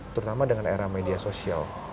terutama dengan era media sosial